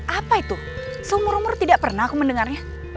apa itu seumur umur tidak pernah aku mendengarnya